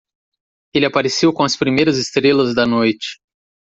Ele apareceu com as primeiras estrelas da noite.